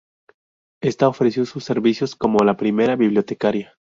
Esta ofreció sus servicios como la primera bibliotecaria.